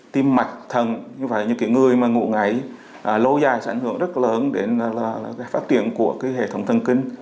tim mạch thần như vậy những người mà ngủ ngáy lâu dài sẽ ảnh hưởng rất lớn đến phát triển của hệ thống thần kinh